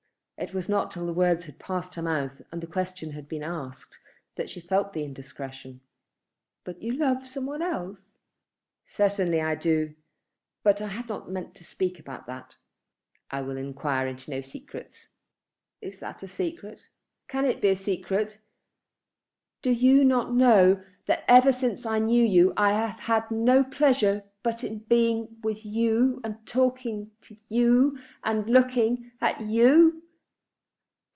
It was not till the words had passed her mouth and the question had been asked that she felt the indiscretion. "But you love some one else?" "Certainly I do; but I had not meant to speak about that." "I will enquire into no secrets." "Is that a secret? Can it be a secret? Do you not know that ever since I knew you I have had no pleasure but in being with you, and talking to you, and looking at you?"